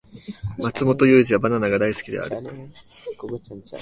マツモトユウジはバナナが大好きである